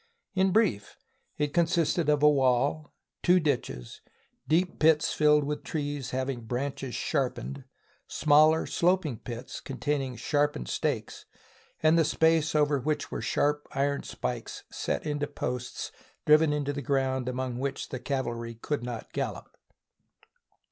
In brief, it consisted of a wall, two ditches, deep pits filled with trees having branches sharpened, smaller sloping pits containing sharpened stakes, and then a space over which were sharp iron spikes set into posts driven into the ground, among which cavalry could not gallop.